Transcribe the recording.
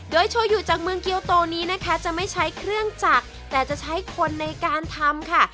โดยโชยูจากเมืองเกียวโตนี้นะคะจะไม่ใช้เครื่องจักรแต่จะใช้คนในการทำค่ะ